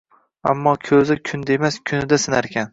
Ammo ko`za kunda emas, kunida sinarkan